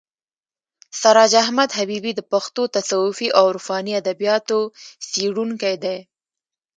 سراج احمد حبیبي د پښتو تصوفي او عرفاني ادبیاتو څېړونکی دی.